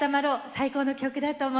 最高の曲だと思います。